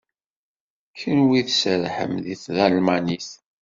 Kenwi tserrḥem deg talmanit.